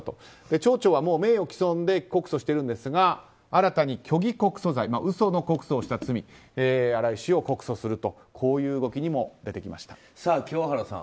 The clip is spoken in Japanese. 町長は名誉毀損で告訴をしているんですが新たに虚偽告訴罪嘘の告訴をした罪で新井氏を告訴すると清原さん